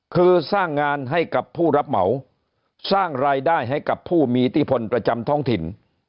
คือสร้างงานให้กับผู้รับเหมาสร้างรายได้ให้กับผู้มีอิทธิพลประจำท้องถิ่น